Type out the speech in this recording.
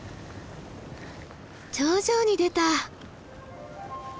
頂上に出た！